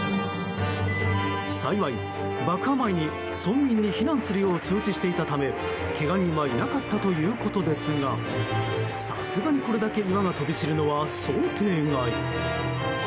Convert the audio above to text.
幸い、爆破前に村民に避難するよう通知していたためけが人はいなかったということですがさすがに、これだけ岩が飛び散るのは想定外。